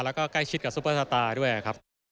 แล้วก็ใกล้ชิดกับซุปเปอร์สตาร์ด้วยครับ